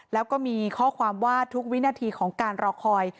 แล้วก็มีข้อความว่าทุกวินาทีของการรอคอย